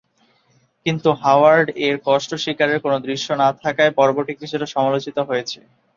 কিন্তু হাওয়ার্ড এর কষ্ট শিকারের কোন দৃশ্য না থাকায় পর্বটি কিছুটা সমালোচিত হয়েছে।